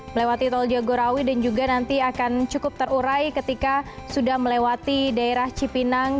melewati tol jagorawi dan juga nanti akan cukup terurai ketika sudah melewati daerah cipinang